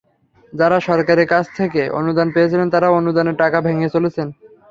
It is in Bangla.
যাঁরা সরকারের কাছ থেকে অনুদান পেয়েছিলেন, তাঁরা অনুদানের টাকা ভেঙে চলছেন।